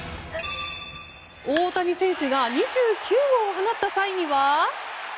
大谷選手が２９号を放った際には。